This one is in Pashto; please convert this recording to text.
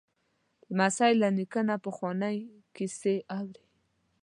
لمسی له نیکه نه پخوانۍ کیسې اوري.